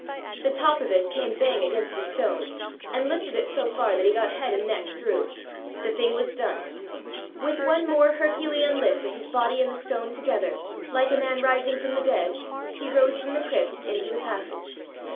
The top of it came bang against the stone, and lifted it so far that he got head and neck through. The thing was done! With one more Herculean lift of his body and the stone together, like a man rising from the dead, he rose from the crypt into the passage.